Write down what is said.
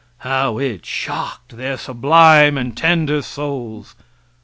How it shocked their sublime and tender souls!